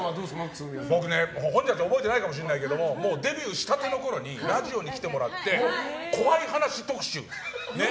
僕、覚えていないかもしれないんだけどデビューしたてのころにラジオに来てもらって怖い話特集をね。